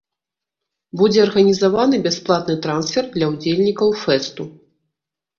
Будзе арганізаваны бясплатны трансфер для ўдзельнікаў фэсту.